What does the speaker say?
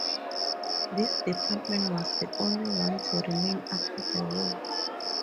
This department was the only one to remain after the war.